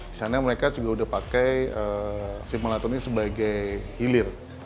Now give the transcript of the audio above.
misalnya mereka juga udah pakai simulator ini sebagai hilir